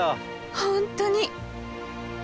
本当に！